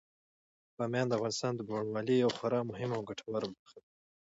بامیان د افغانستان د بڼوالۍ یوه خورا مهمه او ګټوره برخه ده.